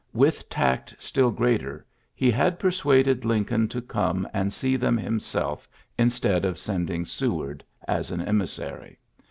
With tact still greater he had persuaded Lincoln to come and see them himself instead of sending Seward as an emissary.